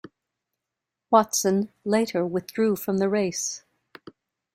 Watson later withdrew from the race.